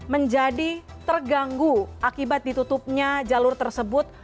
menjadi terganggu akibat ditutupnya jalur tersebut